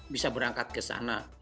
bisa berangkat ke sana